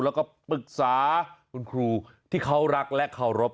แล้วก็ปรึกษาคุณครูที่เขารักและเคารพ